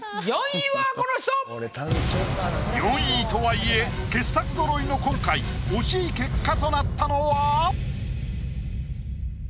４位とはいえ傑作ぞろいの今回惜しい結果となったのは。